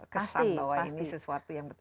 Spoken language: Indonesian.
kesan bahwa ini sesuatu yang betul